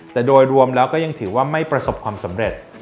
แต่โดยรวมแล้วก็ยังถือว่าไม่ประสบความสำเร็จ